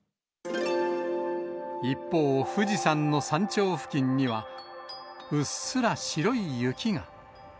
一方、富士山の山頂付近には、うっすら白い雪が。